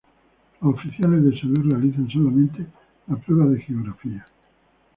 Los oficiales de Salud realizan solamente la prueba de Geografía.